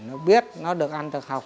nó biết nó được ăn được học